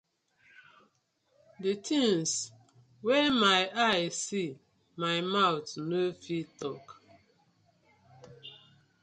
Di tinz wey my eye see my mouth no fit tok.